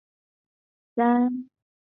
珊瑚藤为蓼科珊瑚藤属下的一个种。